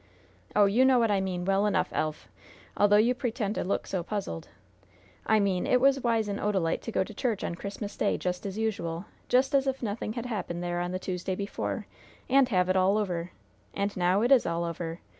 Oh, you know what I mean well enough, Elf, although you pretend to look so puzzled! I mean, it was wise in Odalite to go to church on Christmas Day, just as usual just as if nothing had happened there on the Tuesday before and have it all over! And now it is all over.